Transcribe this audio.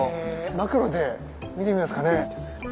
マクロで見てみますかね。